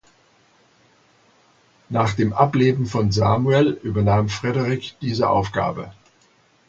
Nach dem Ableben von Samuel übernahm Frederick diese Aufgabe.